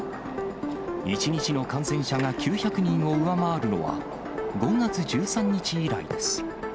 １日の感染者が９００人を上回るのは、５月１３日以来です。